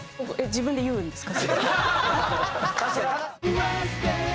自分で言うんですか？